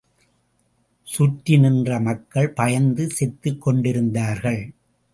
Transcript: சுற்றி நின்ற மக்கள் பயந்து செத்துக் கொண்டிருந்தார்கள்.